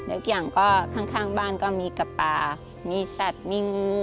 อีกอย่างก็ข้างบ้านก็มีกระป่ามีสัตว์มีงู